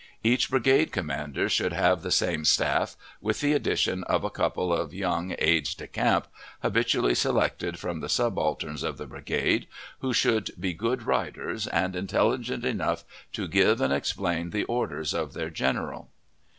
Each brigade commander should have the same staff, with the addition of a couple of young aides de camp, habitually selected from the subalterns of the brigade, who should be good riders, and intelligent enough to give and explain the orders of their general.